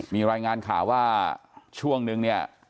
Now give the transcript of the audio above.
มีรายงานข่าวว่าช่วงนึงเนี่ย